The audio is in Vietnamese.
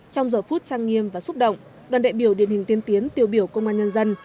trong giờ phút trang nghiêm và xúc động đoàn đại biểu điển hình tiên tiến tiêu biểu công an nhân dân